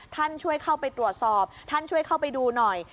ท่านช่วยเข้าไปตรวจสอบท่านช่วยเข้าไปดูหน่อย